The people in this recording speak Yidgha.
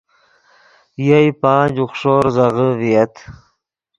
یئے پانچ، اوخݰو زیزغے ڤییت